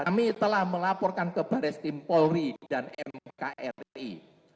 kami telah melaporkan ke baris krim polri dan mkri